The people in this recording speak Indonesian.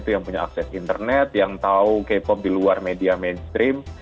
yang punya akses internet yang tahu k pop di luar media mainstream